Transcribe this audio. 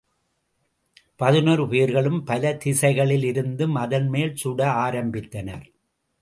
பதினொரு பேர்களும் பல திசைகளிலிருந்தும் அதன்மேல் சுட ஆரம்பித்தனர்.